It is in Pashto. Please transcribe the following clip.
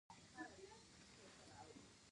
ژمي کې مجرد تبا دی.